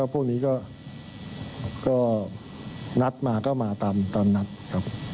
พวกนี้ก็นัดมาก็มาตามนัดครับผม